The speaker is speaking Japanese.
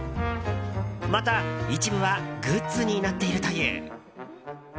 また、一部はグッズになっているという。